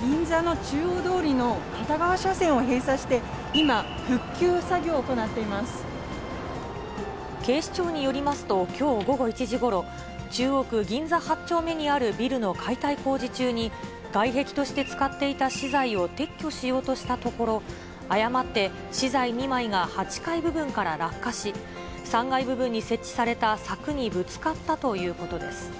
銀座の中央通りの片側車線を閉鎖して、今、警視庁によりますと、きょう午後１時ごろ、中央区銀座８丁目にあるビルの解体工事中に、外壁として使っていた資材を撤去しようとしたところ、誤って資材２枚が８階部分から落下し、３階部分に設置された柵にぶつかったということです。